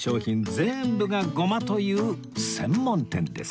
全部がごまという専門店です